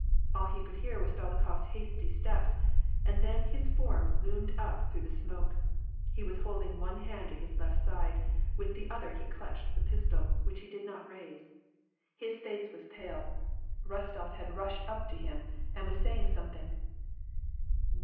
All he could hear was Dolokhof s hasty steps, and then his form loomed up through the smoke. He was holding one hand to his left side ; with the other he clutched the pistol, which he did not raise. His face was 26 WAk AND PS ACE. pale. Eostof had rushed up to him, and was saying som^ thing.